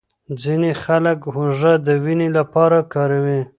ځینې خلک هوږه د وینې لپاره کاروي.